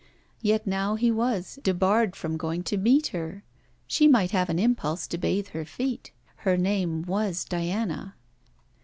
Yet now he was, debarred from going to meet her. She might have an impulse to bathe her feet. Her name was Diana....